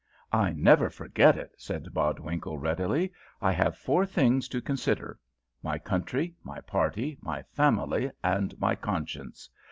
"I never forget it," said Bodwinkle, readily. "I have four things to consider my country, my party, my family, and my conscience.